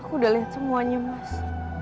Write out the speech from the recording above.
aku udah lihat semuanya mas